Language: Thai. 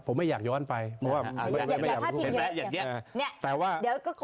ผมไม่อยากย้อนไปเพราะว่า